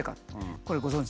これご存じ？